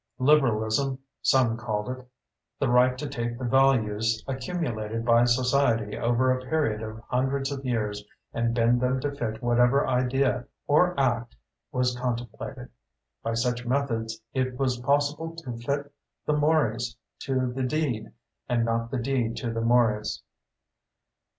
Liberalism, some called it, the right to take the values accumulated by society over a period of hundreds of years and bend them to fit whatever idea or act was contemplated. By such methods, it was possible to fit the mores to the deed, not the deed to the mores.